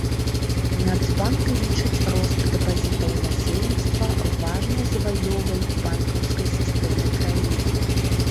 Нацбанк лічыць рост дэпазітаў насельніцтва важнай заваёвай банкаўскай сістэмы краіны.